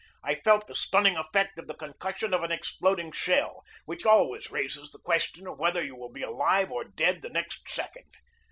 I felt the stunning effect of the concussion of an exploding shell which al ways raises the question of whether you will be alive or dead the next second.